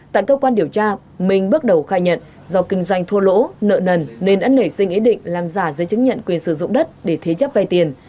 tại cơ quan điều tra minh bước đầu khai nhận do kinh doanh thua lỗ nợ nần nên đã nảy sinh ý định làm giả giấy chứng nhận quyền sử dụng đất để thế chấp vay tiền